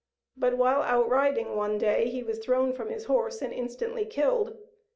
But, while out riding one day, he was thrown from his horse and instantly killed.